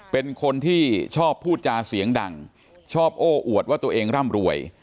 เป็นคนที่ชอบพูดจาเสียงดังชอบโอ้อวดว่าตัวเองร่ำรวย